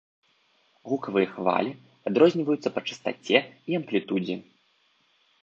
Гукавыя хвалі адрозніваюцца па частаце і амплітудзе.